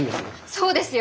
そうですよ！